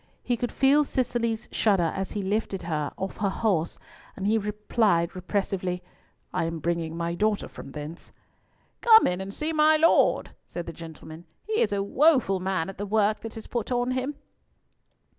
He could feel Cicely's shudder as he lifted her off her horse, and he replied repressively, "I am bringing my daughter from thence." "Come in and see my Lord," said the gentleman. "He is a woeful man at the work that is put on him."